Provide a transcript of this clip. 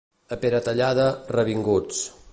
A Peratallada, revinguts.